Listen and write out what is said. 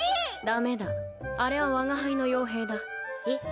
・ダメだあれは我が輩の傭兵だえっ